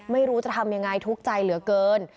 ไม่รู้จะทำยังไงทุกข์ใจเหลือเกิน